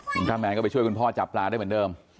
คุณพระแมนก็ไปช่วยคุณพ่อจับปลาได้เหมือนเดิม